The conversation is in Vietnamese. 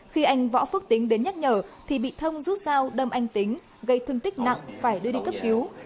khi anh võ phước tính đến nhắc nhở thì bị thông rút dao đâm anh tính gây thương tích nặng phải đưa đi cấp cứu